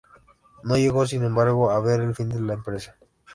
No llegó, sin embargo, a ver el fin de la empresa.